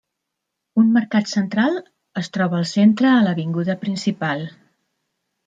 Un mercat central es troba al centre a l'avinguda principal.